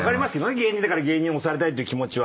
芸人だから芸人に推されたいって気持ちは。